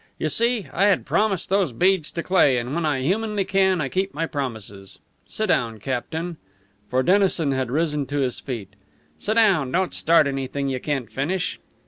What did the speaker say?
You see, I had promised those beads to Cleigh, and when I humanly can I keep my promises. Sit down, captain!" For Dennison had risen to his feet. "Sit down! Don't start anything you can't finish."